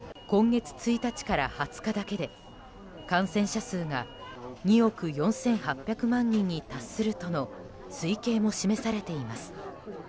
ネット上に出回った中国政府の内部資料では今月１日から２０日だけで感染者数が２億４８００万人に達するとの推計も示されています。